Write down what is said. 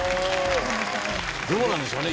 どうなんでしょうね